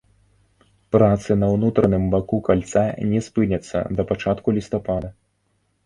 Працы на ўнутраным баку кальца не спыняцца да пачатку лістапада.